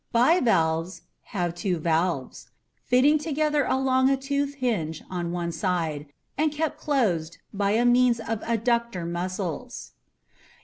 Bivalves have two valves, fitting together along a toothed hinge on one side, and kept closed by means of ADDUCTOR MUSCLES.